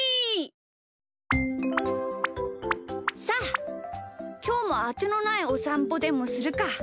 さあきょうもあてのないおさんぽでもするか。